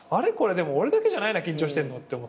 でも俺だけじゃないな緊張してんのって思った。